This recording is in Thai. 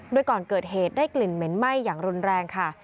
โดยก่อนเกิดเหตุได้กลิ่นเหม็นไหม้อย่างรุนแรงค่ะ